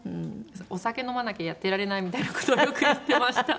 「お酒飲まなきゃやってられない」みたいな事をよく言ってました。